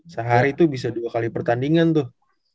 sehari itu bisa dua kali pertandingan tuh